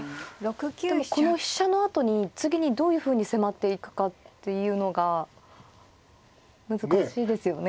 でもこの飛車のあとに次にどういうふうに迫っていくかっていうのが難しいですよね。